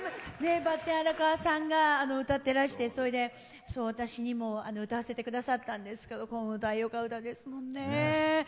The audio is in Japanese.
ばってん荒川さんが歌ってらしてそいで、私にも歌わせてくださったんですけどこの歌、よか歌ですもんね。